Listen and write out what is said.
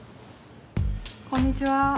こんにちは。